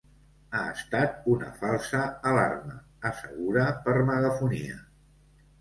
Ha estat una falsa alarma, assegura per megafonia.